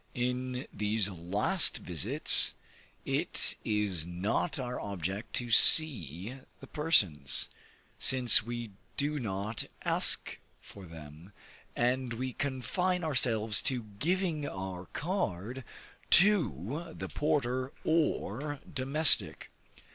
In these last visits, it is not our object to see the persons, since we do not ask for them, and we confine ourselves to giving our card to the porter or domestic.